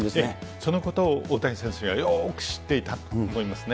そのことを大谷選手がよく知っていたと思いますね。